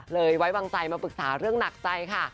ไว้วางใจมาปรึกษาเรื่องหนักใจค่ะ